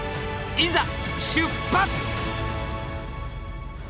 いざ出発！